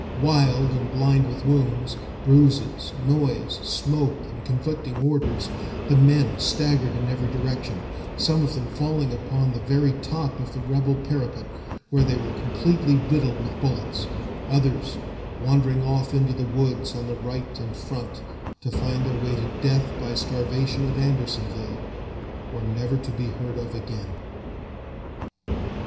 Wild and blind with wounds, bruises, noise, smoke, and conflicting orders, the men staggered in every direction, some of them falling upon the very top of the rebel parapet, where they were completely riddled with bullets, others wandering off into the woods on the right and front, to find their way to death by starvation at Andersonville, or never to be heard of again."